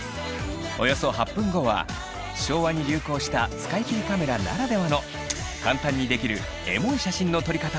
およそ８分後は昭和に流行した使い切りカメラならではの簡単にできるエモい写真の撮り方を紹介！